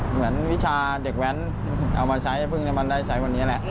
เหมือนวิชาเด็กแว้นเอามาใช้ให้พึ่งในบันไดใช้คนนี้แหละ